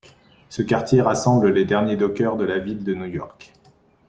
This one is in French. Ce quartier rassemble les derniers dockers de la ville de New York.